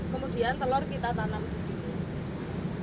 kemudian telur kita tanam di sini